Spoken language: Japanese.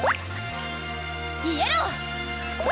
イエロー！